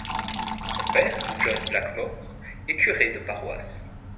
Son père, John Blackmore, est curé de paroisse.